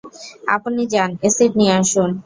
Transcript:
আপনি যান এসিড নিয়ে আসুন।